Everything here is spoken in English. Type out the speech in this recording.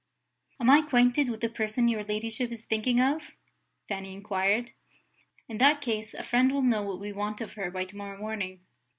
"Am I acquainted with the person your ladyship is thinking of?" Fanny inquired. "In that case, a friend will know what we want of her by to morrow morning.